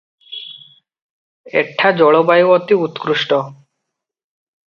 ଏଠା ଜଳବାୟୁ ଅତି ଉତ୍କୃଷ୍ଟ ।